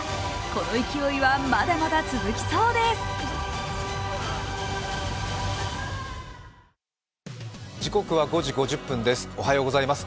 この勢いは、まだまだ続きそうです。